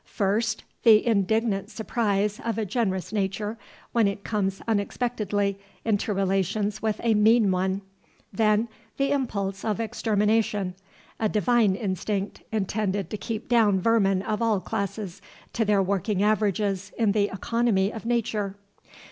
First, the indignant surprise of a generous nature, when it comes unexpectedly into relations with a mean one. Then the impulse of extermination, a divine instinct, intended to keep down vermin of all classes to their working averages in the economy of Nature.